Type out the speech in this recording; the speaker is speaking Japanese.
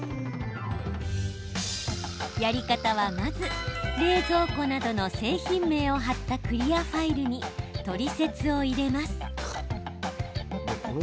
やり方はまず冷蔵庫などの製品名を貼ったクリアファイルにトリセツを入れます。